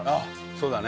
そうだね。